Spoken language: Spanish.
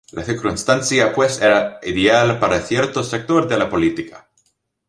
La circunstancia pues era ideal para cierto sector de la política.